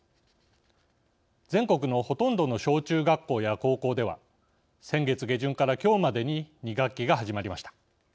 全国のほとんどの小中学校や高校では先月下旬から、きょうまでに２学期が始まりました。